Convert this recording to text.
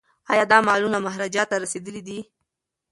ایا دا مالونه مهاراجا ته رسیدلي دي؟